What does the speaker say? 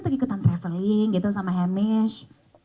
ikutan traveling gitu sama hemish